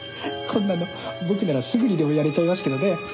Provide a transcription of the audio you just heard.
こんなの僕ならすぐにでもやれちゃいますけどね。